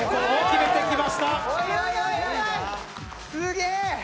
すげえ。